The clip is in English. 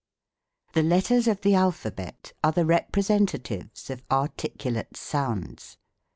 The letters of the Alphabet are the representatives of articulate sounds.